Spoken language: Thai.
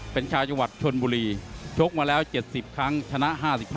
เป็นชาวจังหวัดชนบุรีชกมาแล้ว๗๐ครั้งชนะ๕๕